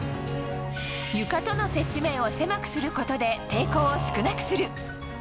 床との接地面を狭くすることで抵抗を少なくする。